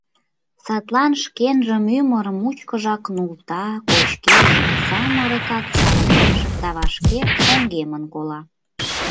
Садлан шкенжым ӱмыр мучкыжак нулта, кочкеш, самырыкак чалемеш да вашке шоҥгемын кола.